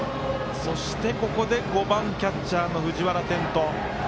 そして、ここで５番キャッチャーの藤原天斗。